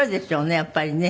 やっぱりね。